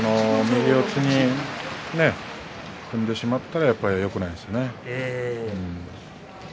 右四つに組んでしまったらやっぱり、よくないですね。